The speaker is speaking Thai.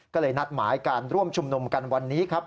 ก็เลยนัดหมายการร่วมชุมนุมกันวันนี้ครับ